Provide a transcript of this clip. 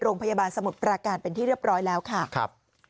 โรงพยาบาลสมุทรปราการเป็นที่เรียบร้อยแล้วค่ะ